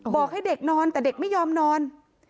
บอกให้เด็กนอนแต่เด็กไม่ยอมนอน